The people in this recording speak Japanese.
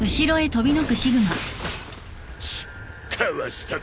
チッかわしたか。